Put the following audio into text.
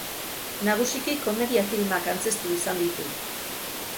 Nagusiki komedia filmak antzeztu izan ditu.